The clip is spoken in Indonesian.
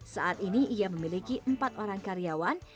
saat ini ia memiliki empat orang karyawan